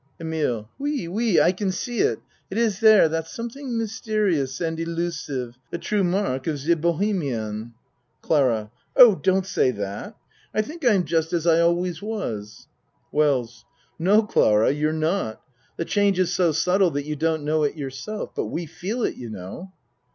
EMILE Oui oui I can see it. It is there that something mysterious and illusive the true mark of ze bohemian. CLARA Oh, don't say that. I I think I'm just 30 A MAN'S WORLD as I always was. WELLS No, Clara, you're not. The change is so subtle that you don't know it yourself. But we feel it, you know.